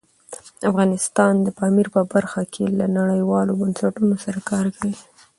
افغانستان د پامیر په برخه کې له نړیوالو بنسټونو سره کار کوي.